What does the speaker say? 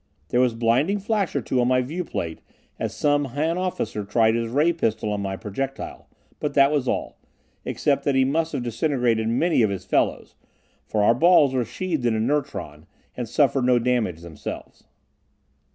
There was blinding flash or two on my viewplate as some Han officer tried his ray pistol on my projectile, but that was all, except that he must have disintegrated many of his fellows, for our balls were sheathed in inertron, and suffered no damage themselves.